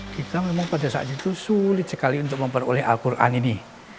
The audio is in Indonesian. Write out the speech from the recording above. kita memang pada saat itu sulit sekali untuk memperoleh al quran ini